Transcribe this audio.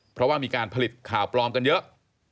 เพราะว่ามีการผลิตข่าวปลอมกันเยอะ